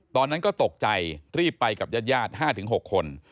ตอนนั้นก็ตกใจรีบไปกับญาติ๕๖คน